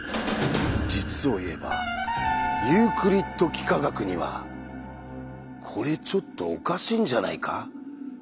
実を言えばユークリッド幾何学にはこれちょっとおかしいんじゃないか？という１つのうわさが